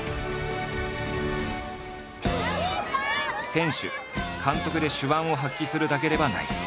選手監督で手腕を発揮するだけではない。